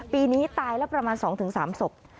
ปีนี้ตายแล้วประมาณ๒๓ศพ